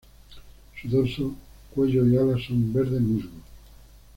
Su dorso, cuello y alas son verde musgo.